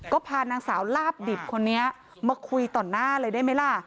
ก็พานางสาวลาบดิบคนนี้มาคุยต่อหน้าเลยได้ไหมล่ะ